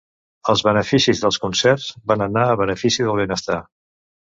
Els beneficis dels concerts van anar a benefici del benestar.